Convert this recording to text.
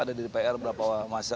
ada di dpr berapa masa